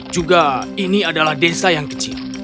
juga ini adalah desa yang kecil